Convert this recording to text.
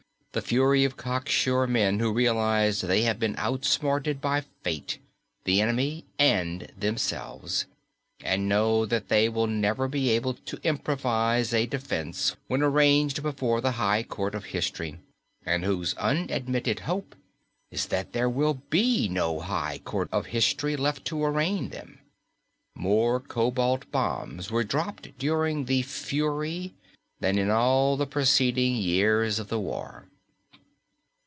The Fury of cocksure men who realize they have been outsmarted by fate, the enemy, and themselves, and know that they will never be able to improvise a defense when arraigned before the high court of history and whose unadmitted hope is that there will be no high court of history left to arraign them. More cobalt bombs were dropped during the Fury than in all the preceding years of the war.